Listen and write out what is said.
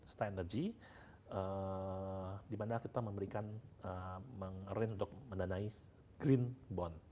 star energy dimana kita memberikan mengarahi untuk mendanai green bond